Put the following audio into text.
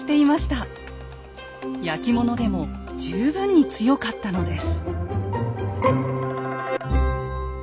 焼き物でも十分に強かったのです。